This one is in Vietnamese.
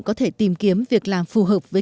có thể tìm kiếm việc làm phù hợp với